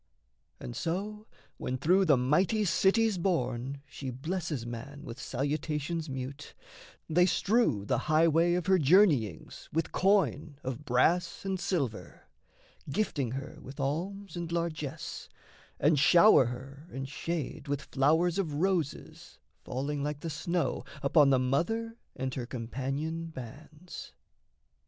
And so, when through the mighty cities borne, She blesses man with salutations mute, They strew the highway of her journeyings With coin of brass and silver, gifting her With alms and largesse, and shower her and shade With flowers of roses falling like the snow Upon the Mother and her companion bands.